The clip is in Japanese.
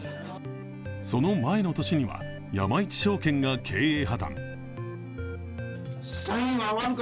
その前の年には山一証券が経営破綻。